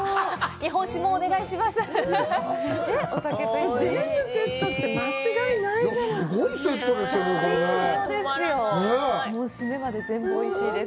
日本酒もお願いします。